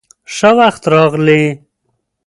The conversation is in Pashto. _ښه وخت راغلې.